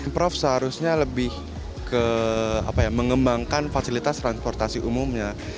prof seharusnya lebih ke mengembangkan fasilitas transportasi umumnya